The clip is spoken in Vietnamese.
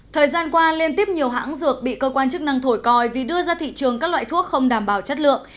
thời gian qua liên tiếp nhiều hãng dược bị cơ quan chức năng thổi còi vì đưa ra thị trường các loại thuốc không đảm bảo chất lượng